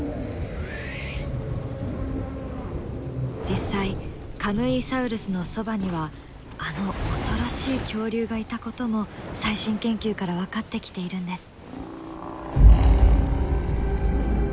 実際カムイサウルスのそばにはあの恐ろしい恐竜がいたことも最新研究から分かってきているんです。